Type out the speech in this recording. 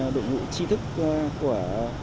đội ngũ tri thức của